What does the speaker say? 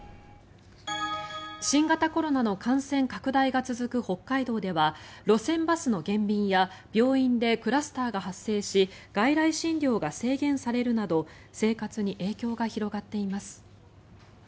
新型コロナの感染拡大が続く北海道では路線バスの減便や病院でクラスターが発生し外来診療が制限されるなど生活に影響が広がっています。